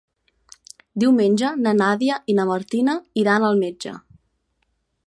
Diumenge na Nàdia i na Martina iran al metge.